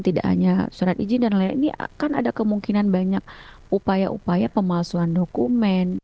tidak hanya surat izin dan lain lain ini akan ada kemungkinan banyak upaya upaya pemalsuan dokumen